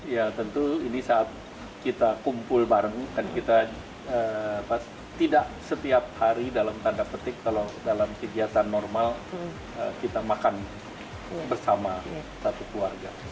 ya tentu ini saat kita kumpul bareng dan kita tidak setiap hari dalam tanda petik kalau dalam kegiatan normal kita makan bersama satu keluarga